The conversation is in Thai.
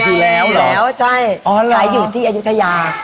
ใช่ขายอยู่ที่อายุทยา